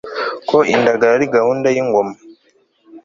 ko indagara ari gahunda y'ingoma